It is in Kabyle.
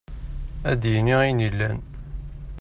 Ad d-yini ayen yellan.